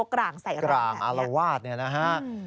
กร่างอารวาสนี่นะฮะ